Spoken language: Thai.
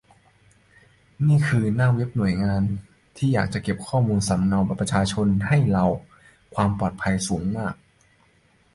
นี่คือหน้าเวบของหน่วยงานที่อยากจะเก็บข้อมูลสำเนาบัตรประชาชนให้เรา ความปลอดภัยสูงมากเลย